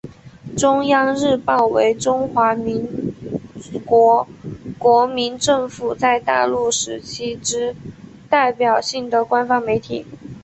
中央日报为中华民国国民政府在大陆时期之代表性的官方媒体。